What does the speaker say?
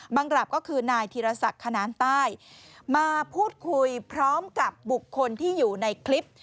รับก็คือนายธีรศักดิ์ขนานใต้มาพูดคุยพร้อมกับบุคคลที่อยู่ในคลิป